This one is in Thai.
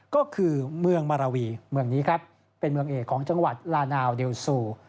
ก็คือเมืองมาราวีเมืองนี้ครับเป็นเมืองเอกของจังหวัดลานาวเดลซู